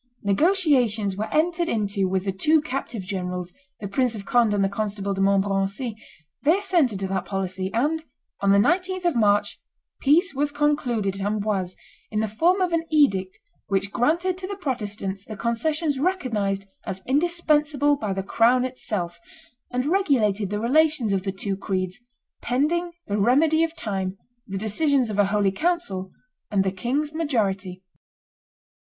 Negotiations were entered into with the two captive generals, the Prince of Conde and the Constable de Montmorency; they assented to that policy; and, on the 19th of March, peace was concluded at Amboise in the form of an edict which granted to the Protestants the concessions recognized as indispensable by the crown itself, and regulated the relations of the two creeds, pending "the remedy of time, the decisions of a holy council, and the king's majority."